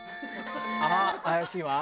「あっ怪しいわ！」。